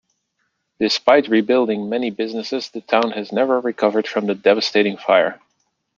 Despite rebuilding many businesses the town has never recovered from the devastating fire.